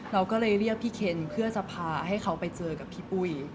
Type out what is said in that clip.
เราก็เลยเรียกพี่เคนเพื่อจะพาให้เขาไปเจอกับพี่ปุ้ย